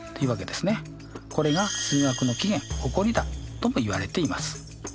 これが数学の起源起こりだともいわれています。